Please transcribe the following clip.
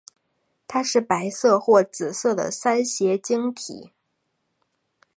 它是白色或紫色的三斜晶体。